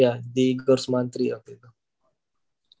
ya di gors mantri waktu itu